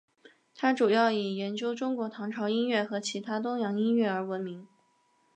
他主要以研究中国唐朝音乐和其他东洋音乐而闻名。